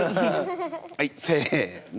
はいせの！